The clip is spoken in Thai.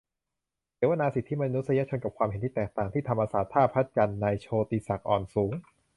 เสวนา "สิทธิมนุษยชนกับความเห็นที่แตกต่าง" ที่ธรรมศาสตร์ ท่าพระจันทร์ - นายโชติศักดิ์ อ่อนสูง